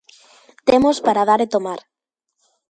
¡Temos para dar e tomar!